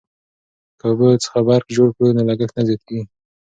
که اوبو څخه برق جوړ کړو نو لګښت نه زیاتیږي.